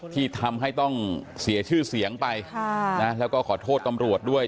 ที่ทำให้ต้องเสียชื่อเสียงไปแล้วก็ขอโทษตำรวจด้วย